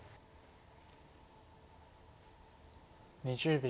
２０秒。